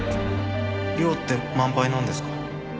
寮って満杯なんですか？